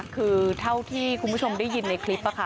คือเท่าที่คุณผู้ชมได้ยินในคลิป